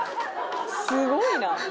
すごいな。